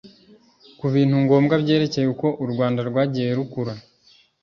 ku bintu ngombwa byerekeye uko u Rwanda rwagiye rukura